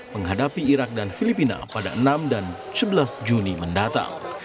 menghadapi irak dan filipina pada enam dan sebelas juni mendatang